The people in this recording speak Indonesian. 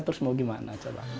terus mau gimana